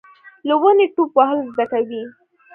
له ونې ټوپ وهل زده کوي .